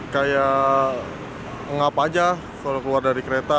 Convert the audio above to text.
kayak ngap aja kalau keluar dari kereta